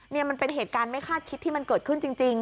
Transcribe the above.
นี่มันเป็นเหตุการณ์ไม่คาดคิดที่มันเกิดขึ้นจริง